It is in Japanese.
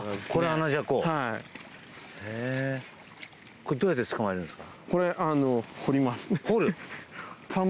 これどうやってつかまえるんですか。